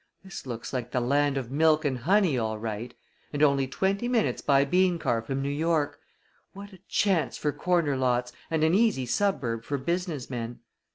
"This looks like the land of milk and honey all right. And only twenty minutes by bean car from New York! What a chance for corner lots, and an easy suburb for business men!"